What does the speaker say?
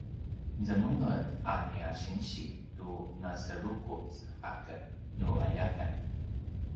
zemenger a nia sinsi tu naserukuz aken nu aljakan